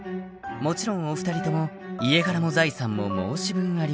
［もちろんお二人とも家柄も財産も申し分ありません］